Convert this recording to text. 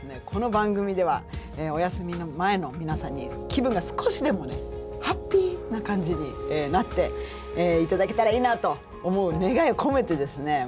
この番組ではお休み前の皆さんに気分が少しでもねハッピーな感じになって頂けたらいいなと思う願いを込めてですね